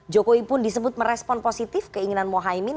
jokowi pun disebut merespon positif keinginan mohaimin